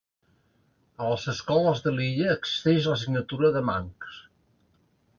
A les escoles de l'illa existeix l'assignatura de Manx.